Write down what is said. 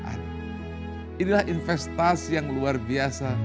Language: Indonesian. dan dengan melakukan investasi yang luar biasa